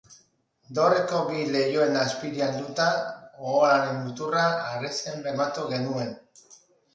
Dorreko bi leihoen azpira helduta, oholaren muturra harresian bermatu genuen.